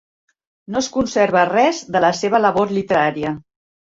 No es conserva res de la seva labor literària.